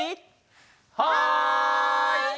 はい！